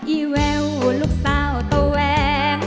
อีแววลูกสาวตัวแหวง